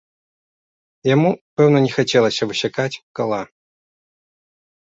Яму, пэўна, не хацелася высякаць кала.